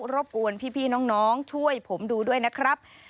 รบกวนพี่น้องช่วยผมดูด้วยนะครับ